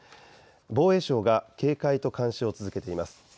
防衛省が警戒と監視を続けています。